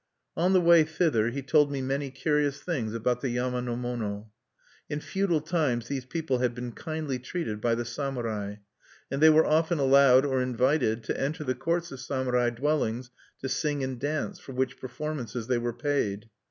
On the way thither he told me many curious things about the yama no mono. In feudal times these people had been kindly treated by the samurai; and they were often allowed or invited to enter the courts of samurai dwellings to sing and dance, for which performances they were paid.